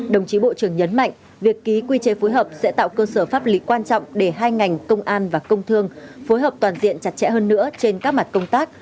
đồng chí bộ trưởng nhấn mạnh việc ký quy chế phối hợp sẽ tạo cơ sở pháp lý quan trọng để hai ngành công an và công thương phối hợp toàn diện chặt chẽ hơn nữa trên các mặt công tác